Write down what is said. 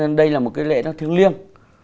nên đây là một cái lễ nó thiêng liêng